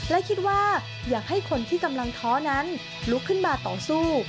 และคิดว่าอยากให้คนที่กำลังท้อนั้นลุกขึ้นมาต่อสู้